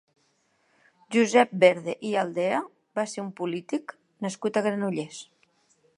Josep Verde i Aldea va ser un polític nascut a Granollers.